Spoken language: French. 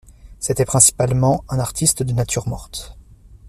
C'était principalement un artiste de natures mortes.